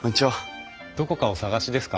どこかお探しですか？